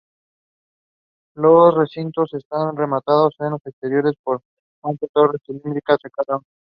Estos recintos están rematados en los extremos por cuatro torres cilíndricas cada uno.